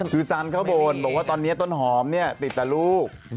คือสันเข้าบนบอกว่าตอนนี้ต้นหอมติดแต่ลูก